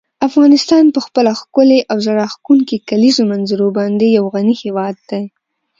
افغانستان په خپله ښکلې او زړه راښکونکې کلیزو منظره باندې یو غني هېواد دی.